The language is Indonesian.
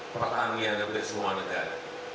pertanggian dari semua negara